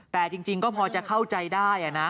แต่จริงก็พอจะเข้าใจได้นะ